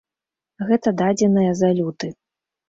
Гэта дадзеныя за люты.